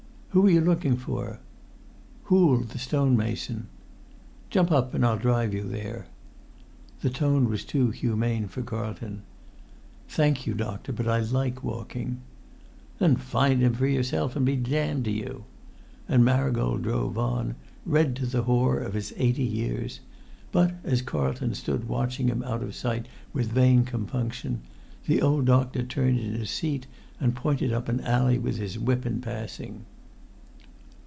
"Who are you looking for?" "Hoole, the stonemason." "Jump up and I'll drive you there." The tone was too humane for Carlton. "Thank you, doctor, but I like walking." "Then find him for yourself, and be damned to you!" And Marigold drove on, red to the hoar of his eighty years; but, as Carlton stood watching him out of sight with vain compunction, the old doctor turned in his seat and pointed up an alley with his whip in passing.